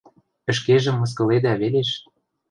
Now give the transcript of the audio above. Ӹшкежӹ мыскыледӓ велеш.